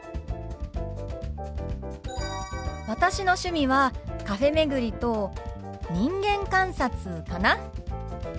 私の趣味はカフェ巡りと人間観察かな。